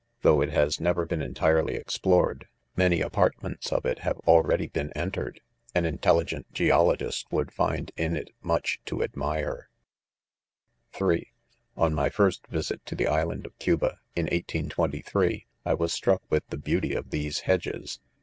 Though it has never been entirely explored, many apartments of it have already "been en* tered. An intelligent geologist "Would ^nd, in it, much to admire* (3) On my first visit to the island of Cuba (in 1823)/ i was struck with the beauty of these hedges.